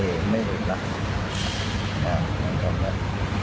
โอเคไม่หลุดหรอก